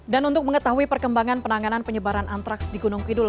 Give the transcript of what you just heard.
dan untuk mengetahui perkembangan penanganan penyebaran antraks di gunung kidul